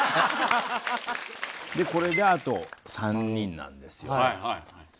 これであと３人なんですよ。